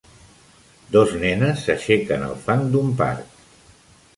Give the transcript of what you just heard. Dos nenes s'aixequen al fang d'un parc.